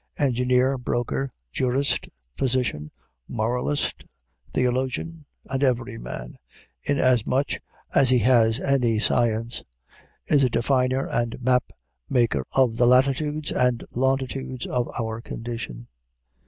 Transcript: Engineer, broker, jurist, physician, moralist, theologian, and every man, inasmuch as he has any science, is a definer and map maker of the latitudes and longitudes of our condition.